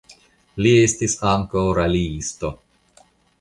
Li estis ankaŭ raliisto.